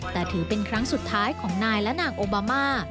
แต่ถือเป็นครั้งสุดท้ายของนายและนางโอบามา